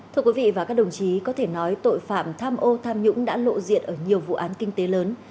thưa quý vị và các đồng chí có thể nói tội phạm tham ô tham nhũng đã lộ diện ở nhiều vụ án kinh tế lớn